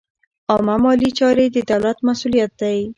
عامه مالي چارې د دولت مسوولیت دی.